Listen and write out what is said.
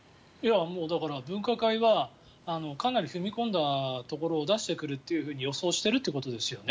だから、分科会はかなり踏み込んだところを出してくると予想してるということですよね。